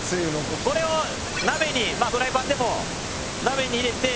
これを鍋にまあフライパンでも鍋に入れて。